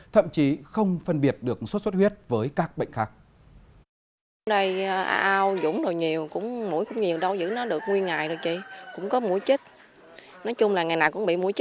thậm chí không phân biệt được sốt xuất huyết với các bệnh khác